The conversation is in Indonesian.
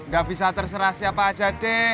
gak bisa terserah siapa aja deh